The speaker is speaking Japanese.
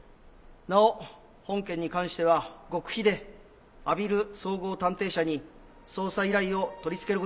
なお本件に関しては極秘で阿比留綜合探偵社に捜査依頼を取り付けることになった。